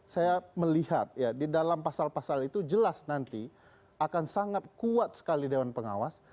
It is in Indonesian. saya melihat ya di dalam pasal pasal itu jelas nanti akan sangat kuat sekali dewan pengawas